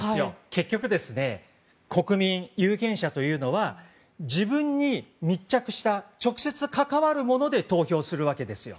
結局、国民や有権者というのは自分に密着した直接関わるもので投票するわけです。